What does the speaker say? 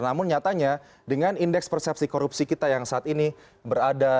namun nyatanya dengan indeks persepsi korupsi kita yang saat ini berada